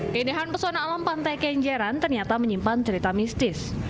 keindahan pesona alam pantai kenjeran ternyata menyimpan cerita mistis